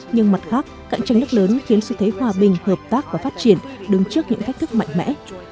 nhưng mặt khác cạnh tranh nước lớn khiến xu thế hòa bình hợp tác và phát triển đứng trước những thách thức mạnh mẽ